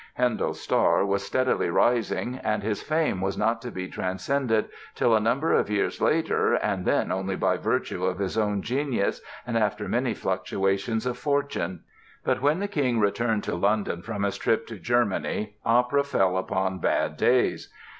Handel's star was steadily rising and his fame was not to be transcended till a number of years later and then only by virtue of his own genius and after many fluctuations of fortune. But when the King returned to London from his trip to Germany opera fell upon bad days.